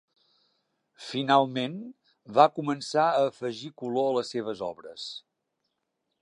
Finalment, va començar a afegir color a les seves obres.